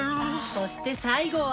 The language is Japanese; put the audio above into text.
そして最後は。